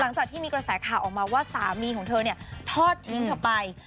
หลังจากที่มีกระแสข่าวออกมาว่าสามีของเธอเนี่ยทอดทิ้งเธอไป